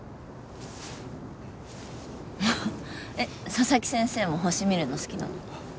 佐々木先生も星見るの好きなの？